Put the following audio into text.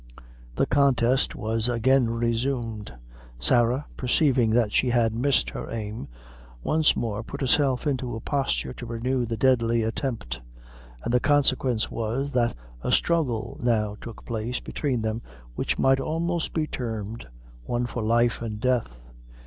The contest was again resumed. Sarah, perceiving that she had missed her aim, once more put herself into a posture to renew the deadly attempt; and the consequence was, that a struggle now took place between them which might almost be termed one for life and death.